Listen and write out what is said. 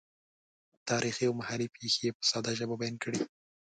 تاریخي او محلي پېښې یې په ساده ژبه بیان کړې.